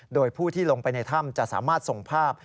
โดยผู้ที่ลงไปในถ้ำจะสามารถส่งภาพ